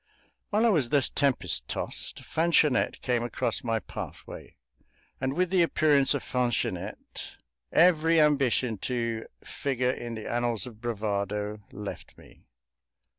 While I was thus tempest tossed, Fanchonette came across my pathway, and with the appearance of Fanchonette every ambition to figure in the annals of bravado left me.